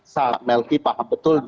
saat melki paham betul